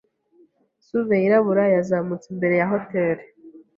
SUV yirabura yazamutse imbere ya hoteri.